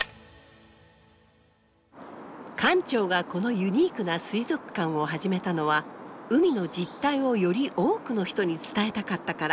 館長がこのユニークな水族館を始めたのは海の実態をより多くの人に伝えたかったから。